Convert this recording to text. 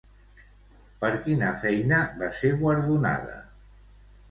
Per quina feina va ser guardonada?